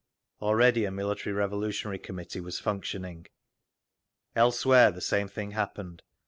Already a Military Revolutionary Committee was functioning. Everywhere the same thing happened.